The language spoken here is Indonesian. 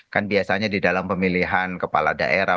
kan biasanya di dalam pemilihan kepala daerah